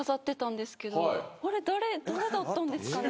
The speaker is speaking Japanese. あれ誰誰だったんですかね？